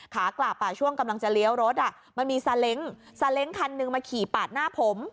ขากลับช่วงกำลังจะเลี้ยวรถมันมีซาเล้งซาเล้งคันหนึ่งมาขี่ปาดหน้าผม